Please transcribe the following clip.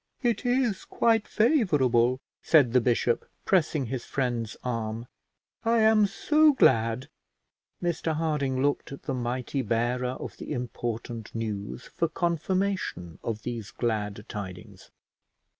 "It is quite favourable," said the bishop, pressing his friend's arm. "I am so glad." Mr Harding looked at the mighty bearer of the important news for confirmation of these glad tidings.